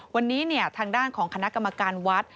วันนี้ทางด้านของคณะกรรมการวัด